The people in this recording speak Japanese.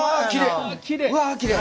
うわきれい！